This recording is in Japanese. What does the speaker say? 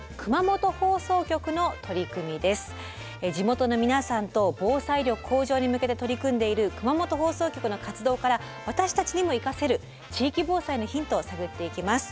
地元の皆さんと防災力向上に向けて取り組んでいる熊本放送局の活動から私たちにも生かせる地域防災のヒントを探っていきます。